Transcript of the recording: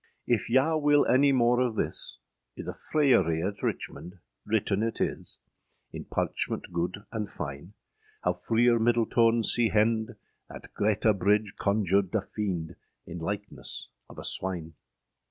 If yow wyl any more of thys, Iâ the fryarie at Richmond written yt is, In parchment gude and fyne, How Freer Myddeltone sea hende, Att Greta Bridge conjured a fiende, In lykeness of a swyne.